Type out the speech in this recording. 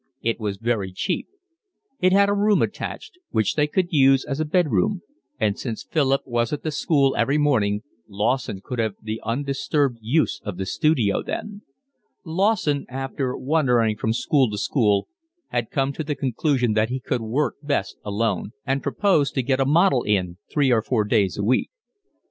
It was very cheap. It had a room attached, which they could use as a bed room; and since Philip was at the school every morning Lawson could have the undisturbed use of the studio then; Lawson, after wandering from school to school, had come to the conclusion that he could work best alone, and proposed to get a model in three or four days a week.